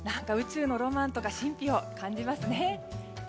宇宙のロマンとか、神秘を感じますね。